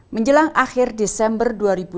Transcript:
menjelang akhir desember dua ribu dua puluh